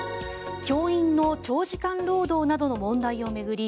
教員の長時間労働などの問題を巡り